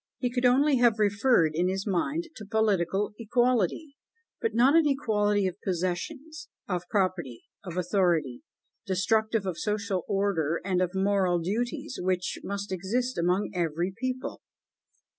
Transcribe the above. He could only have referred in his mind to political equality, but not an equality of possessions, of property, of authority, destructive of social order and of moral duties, which must exist among every people.